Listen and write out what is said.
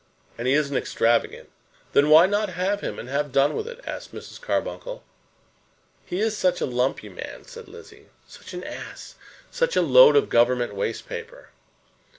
"And he isn't extravagant." "Then why not have him and have done with it?" asked Mrs. Carbuncle. "He is such a lumpy man," said Lizzie; "such an ass; such a load of Government waste paper."